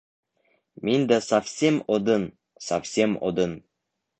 — Мин дә савсем одын, савсем одын.